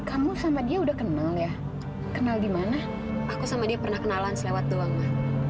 aku sama dia pernah kenalan selewat doang ma